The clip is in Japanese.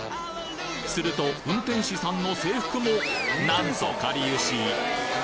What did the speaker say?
すると運転士さんの制服もなんとかりゆし！